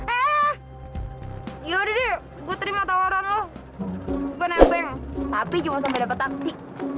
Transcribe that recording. eh yaudah deh gue terima tawaran lo gue nebeng tapi cuma sampai dapat taksi